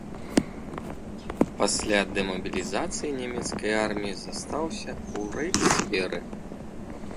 Пасля дэмабілізацыі нямецкай арміі застаўся ў рэйхсверы.